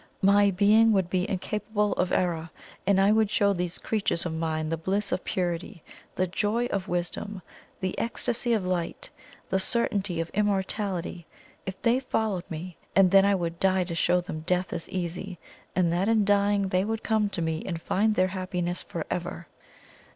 My being would be incapable of error, and I would show these creatures of mine the bliss of purity, the joy of wisdom, the ecstasy of light, the certainty of immortality, if they followed me. And then I would die to show them death is easy, and that in dying they would come to me and find their happiness for ever!"